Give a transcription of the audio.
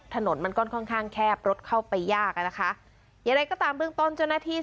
ถนนมันก็ค่อนข้างแคบรถเข้าไปยากน่ะค้ะยังไงก็ตามเรื่องต้นเจ้านาที